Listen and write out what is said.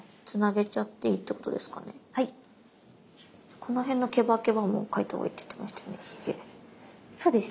この辺のケバケバも描いたほうがいいって言ってましたよね。